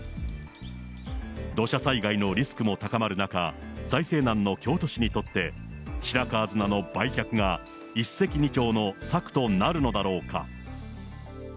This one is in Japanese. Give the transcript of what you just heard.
土砂災害のリスクも高まる中、財政難の京都市にとって、白川砂の売却が一石二鳥の策となるのだろうか。